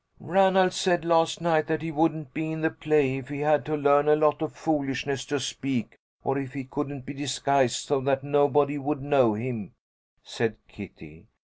"Ranald said last night that he wouldn't be in the play if he had to learn a lot of foolishness to speak, or if he couldn't be disguised so that nobody would know him," said Kitty.